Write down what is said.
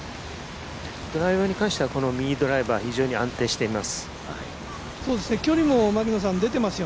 ドライバーに感じては右ドライバー非常に安定しています。